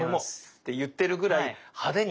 って言ってるぐらい派手にやる。